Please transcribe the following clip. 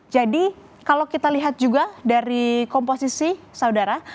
jadi kalau kita lihat juga dari komposisi saudara